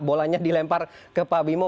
bolanya dilempar ke pak bimo